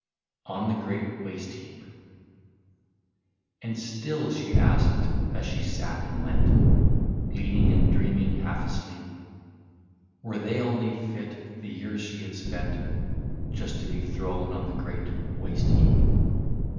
51 ON THE GREAT WASTE HEAP * And still she asked, as she sat and leant, Leaning and drieaming half asleep, Were they only fit, the years she had spent, Just to be thrown on the great waste heap